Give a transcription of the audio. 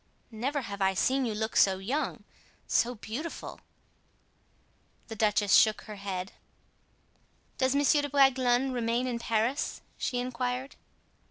Never have I seen you look so young, so beautiful!" The duchess shook her head. "Does Monsieur de Bragelonne remain in Paris?" she inquired.